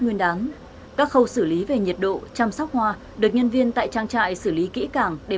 nguyên các khâu xử lý về nhiệt độ chăm sóc hoa được nhân viên tại trang trại xử lý kỹ cảng để